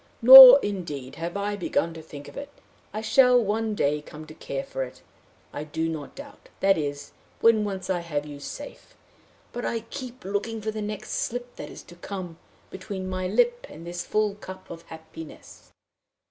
Nor, indeed, have I begun to think of it. I shall, one day, come to care for it, I do not doubt that is, when once I have you safe; but I keep looking for the next slip that is to come between my lip and this full cup of hap piness.